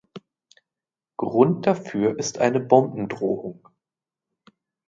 Grund dafür ist eine Bombendrohung.